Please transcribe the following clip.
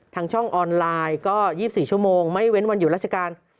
ทางช่องออนไลน์ก็๒๔ชั่วโมงไม่เว้นวันหยุดราชการ